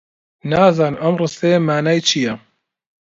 نازانم ئەم ڕستەیە مانای چییە.